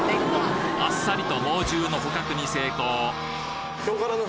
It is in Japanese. アッサリと猛獣の捕獲に成功！